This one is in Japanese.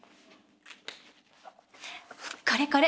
これこれ。